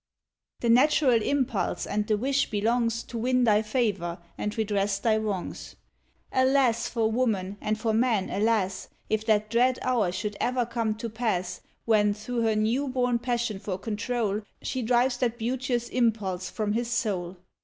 The natural impulse and the wish belongs To win thy favor and redress thy wrongs. Alas! for woman, and for man, alas! If that dread hour should ever come to pass, When, through her new born passion for control, She drives that beauteous impulse from his soul.